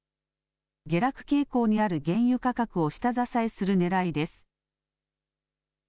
下落傾向にある原油価格を下支えするねらいです。